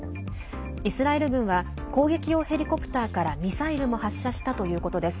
イスラエル軍は攻撃用ヘリコプターからミサイルも発射したということです。